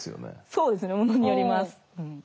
そうですねものによります。